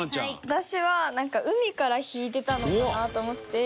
私はなんか海から引いてたのかなと思って。